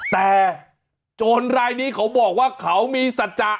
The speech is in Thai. แต่โจรรายนี้เขาบอกว่าเขามีสัจจะ